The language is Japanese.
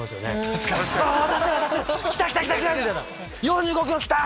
４５ｋｍきた！